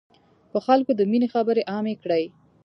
په خلکو د ميني خبري عامي کړی.